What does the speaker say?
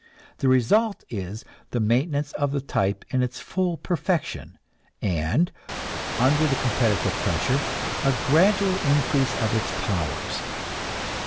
The result is the maintenance of the type in its full perfection, and, under the competitive pressure, a gradual increase of its powers.